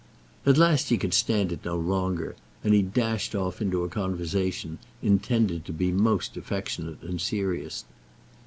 At last he could stand it no longer, and he dashed off into a conversation, intended to be most affectionate and serious.